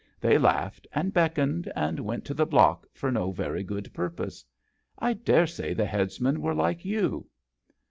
They laughed and beckoned and went to the block for no very good purpose. I dare say the headsmen were like you."